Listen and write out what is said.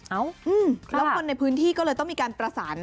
เอ้าแล้วคนในพื้นที่ก็เลยต้องมีการประสาน